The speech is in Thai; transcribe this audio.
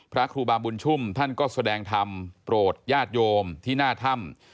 พระครูบาบุญชุ่มท่านก็แสดงธรรมโปรดญาติโยมที่หน้าถ้ำ